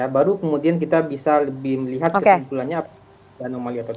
baru kemudian kita bisa lebih melihat kesimpulannya